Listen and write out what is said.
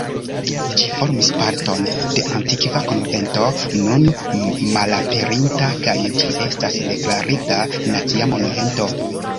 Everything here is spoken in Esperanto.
Ĝi formis parton de antikva konvento nun malaperinta kaj ĝi estas deklarita Nacia Monumento.